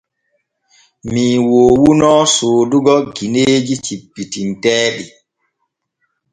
Mii woowuno soodugo gineeji cippitinteeɗi.